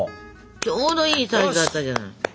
ちょうどいいサイズだったじゃない。